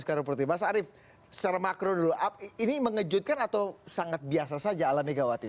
mas arief secara makro dulu ini mengejutkan atau sangat biasa saja ala megawati